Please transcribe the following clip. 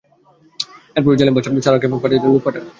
এরপর ঐ জালিম বাদশাহ সারাহকে নিয়ে যাওয়ার জন্যে লোক পাঠান।